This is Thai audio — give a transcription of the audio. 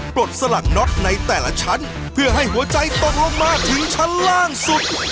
ปลดสลักน็อตในแต่ละชั้นเพื่อให้หัวใจตกลงมาถึงชั้นล่างสุด